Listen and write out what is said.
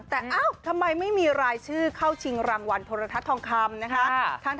แต่ทำไมไม่มีรายชื่อเข้าชิงรางวัลโทรทัศน์ทองคำนะคะ